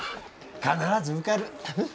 必ず受かる！